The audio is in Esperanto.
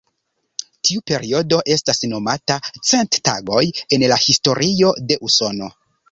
Tiu periodo estas nomata „cent tagoj” en la historio de Usono.